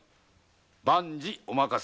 ⁉万事お任せを。